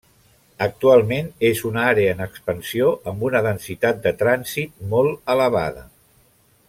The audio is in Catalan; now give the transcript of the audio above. Actualment és una àrea en expansió amb una densitat de trànsit molt elevada.